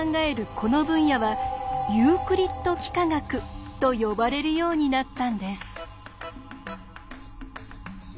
この分野は「ユークリッド幾何学」と呼ばれるようになったんです。